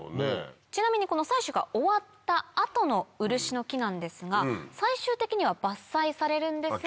ちなみにこの採取が終わった後の漆の木なんですが最終的には伐採されるんですが。